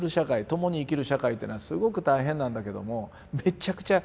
共に生きる社会っていうのはすごく大変なんだけどもめっちゃくちゃ